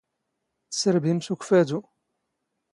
ⵜⵙⵔⴱⵉⵎ ⵙ ⵓⴽⴼⴰⴷⵓ.